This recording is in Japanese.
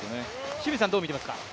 清水さん、どう見てますか。